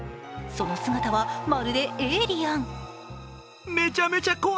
その姿はまるでエイリアン。